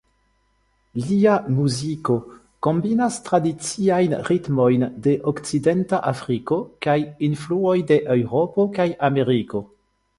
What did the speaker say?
Lia muziko kombinas tradiciajn ritmojn de Okcidenta Afriko kaj influoj de Eŭropo kaj Ameriko.